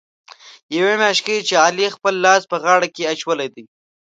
یوه میاشت کېږي، چې علي خپل لاس په غاړه کې اچولی دی.